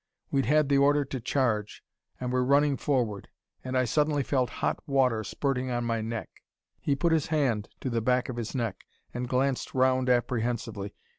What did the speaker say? We'd had the order to charge, and were running forward, and I suddenly felt hot water spurting on my neck " He put his hand to the back of his neck and glanced round apprehensively.